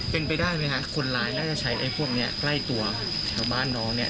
เป็นไปได้ไหมคะคนร้ายน่าจะใช้ไอ้พวกนี้ใกล้ตัวแถวบ้านน้องเนี่ย